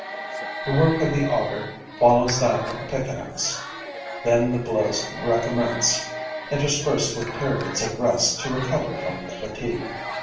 The work of the auger follows that of the pickaxe. Then the blows recommence, interspersed with periods of rest to recover from the fatigue.